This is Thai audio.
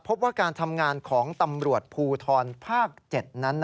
พบว่าการทำงานของตำรวจภูทรภาค๗นั้น